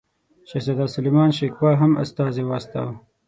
شهزاده سلیمان شکوه هم استازی واستاوه.